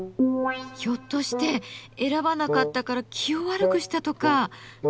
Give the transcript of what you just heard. ひょっとして選ばなかったから気を悪くしたとか？